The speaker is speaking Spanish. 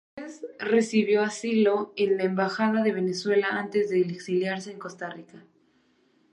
Márquez recibió asilo en la Embajada de Venezuela antes de exiliarse en Costa Rica.